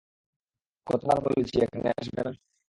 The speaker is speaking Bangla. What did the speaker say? কতবার বলেছি এখানে আসবে না?